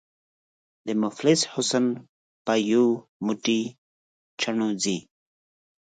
” د مفلس حُسن په یو موټی چڼو ځي”